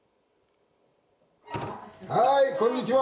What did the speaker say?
はーい、こんにちは。